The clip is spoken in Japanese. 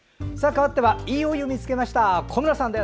かわっては「＃いいお湯見つけました」